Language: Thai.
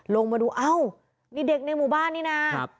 ลงมาดูเอ้านี่เด็กในหมู่บ้านนี่นะ